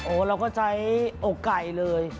เราก็ใช้อกไก่เลย